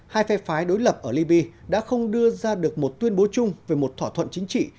hai phe phái đối lập ở libya đã không đưa ra được một tuyên bố chung về một thỏa thuận chính trị